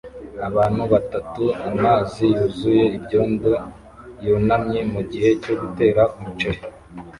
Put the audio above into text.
Abantu batatu amazi yuzuye ibyondo yunamye mugihe cyo gutera umuceri